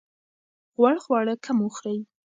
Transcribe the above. غوړ خواړه کم وخورئ.